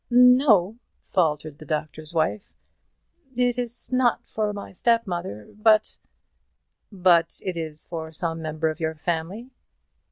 "No," faltered the Doctor's Wife, "it is not for my step mother, but " "But it is for some member of your family?"